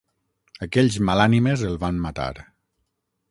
Aquells malànimes el van matar.